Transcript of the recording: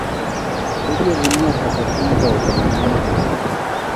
Tebye kumiat kasarta nekoi komangemak